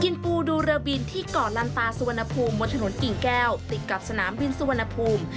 กินปูดูเรอบินที่ก่อนลันปาสวนภูมิบนถนนกิ่งแก้วติดกับสนามบินสวนภูมิ